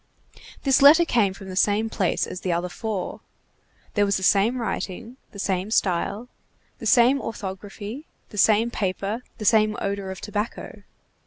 This letter came from the same place as the other four. There was the same writing, the same style, the same orthography, the same paper, the same odor of tobacco.